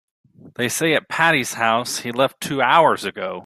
They say at Patti's house he left two hours ago.